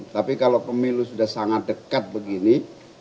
tapi kalau pemilu sudah sangat dekat begini